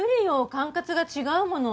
管轄が違うもの。